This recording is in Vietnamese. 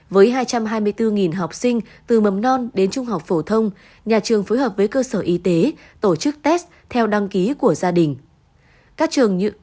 với hai trăm hai mươi bốn học sinh từ mầm non đến trung học phổ thông nhà trường phối hợp với cơ sở y tế tổ chức test theo đăng ký của gia đình